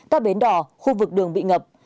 các bến đỏ khu vực đường bị ngập